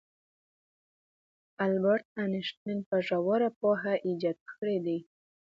البرت انیشټین په ژوره پوهه ایجاد کړی دی.